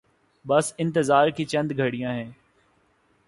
بس انتظار کی چند گھڑیاں ہیں۔